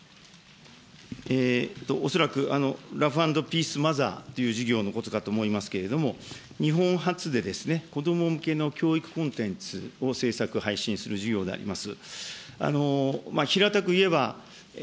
恐らくラフアンドピースマザー事業のことかと思いますけれども、日本発で子ども向けの教育コンテンツを製作、配信する事業であります。